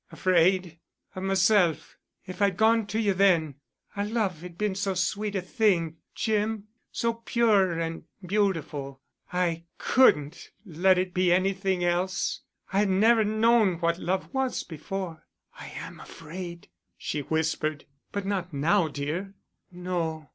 "Afraid——" "Of myself—if I had gone to you then ... our love had been so sweet a thing, Jim—so pure and beautiful. I couldn't let it be anything else. I had never known what love was before. I am afraid," she whispered. "But not now, dear?" "No.